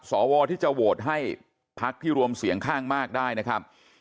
สวที่จะโหวตให้พักที่รวมเสียงข้างมากได้นะครับ